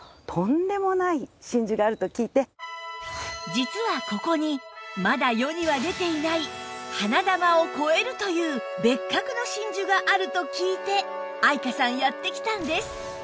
実はここにまだ世には出ていない花珠を超えるという別格の真珠があると聞いて愛華さんやって来たんです